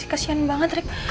kasihan banget rick